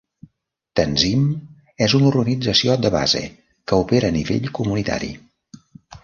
Tanzim és una organització de base que opera a nivell comunitari.